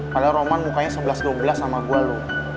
padahal roman mukanya sebelas gelubelas sama gue loh